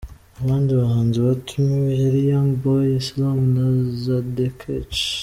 Abandi bahanzi batumiwe hari; Young Boy, Islam na Zandkech.